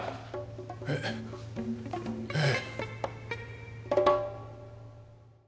えっええ。